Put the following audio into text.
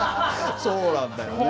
そうなんだよね。